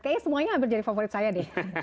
kayaknya semuanya hampir jadi favorit saya deh